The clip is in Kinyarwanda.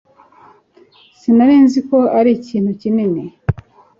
Sinari nzi ko ari ikintu kinini